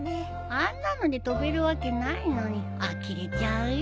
あんなので飛べるわけないのにあきれちゃうよ。